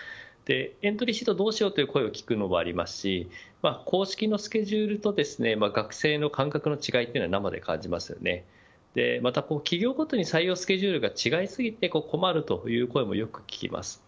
エントリシートをどうしようという声を聞くのもありますし公式のスケジュールと学生の感覚の違いを生で感じますのでまた企業ごとに採用スケジュールが違い過ぎて困るという声もよく聞きます。